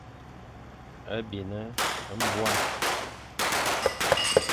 A bin nbuan.